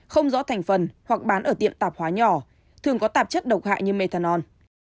không rõ thành phần hoặc bán ở tiệm tạp hóa nhỏ thường có tạp chất độc hại như methanol